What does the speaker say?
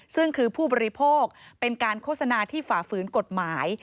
ซึ่งคือผู้บริโภคเป็นการโฆษณาที่ฝ่าฝืนกฎหมาย